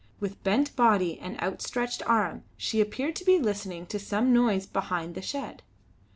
With bent body and outstretched arm she appeared to be listening to some noise behind the shed.